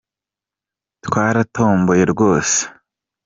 Twaratomboye rwose